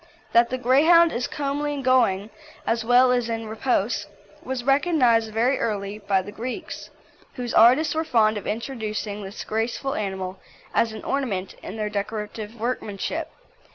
That the Greyhound is "comely in going," as well as in repose, was recognised very early by the Greeks, whose artists were fond of introducing this graceful animal as an ornament in their decorative workmanship.